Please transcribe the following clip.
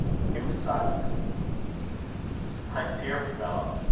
He was silent. "My dear fellow!"